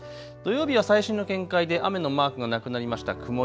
土曜日は最新の見解で雨のマークがなくなりました。